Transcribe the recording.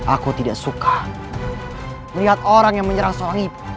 aku tidak suka melihat orang yang menyerang seorang ibu